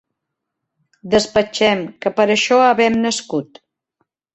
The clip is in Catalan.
Despatxem, que per això havem nascut